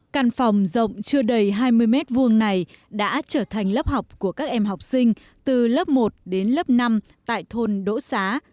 căn phòng rộng chưa đầy hai mươi m hai này đã trở thành lớp học của các em học sinh từ lớp một đến lớp năm tại thôn đỗ xá